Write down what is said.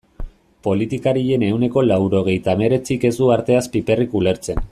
Politikarien ehuneko laurogeita hemeretzik ez du arteaz piperrik ulertzen.